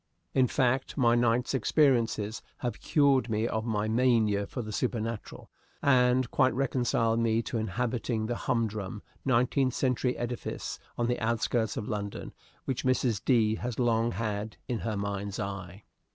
In fact, my night's experiences have cured me of my mania for the supernatural, and quite reconciled me to inhabiting the humdrum, nineteenth century edifice on the outskirts of London which Mrs. D. has long had in her mind's eye.